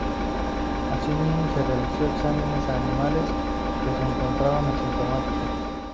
Asimismo se realizó exámenes a animales, que se encontraban asintomáticos.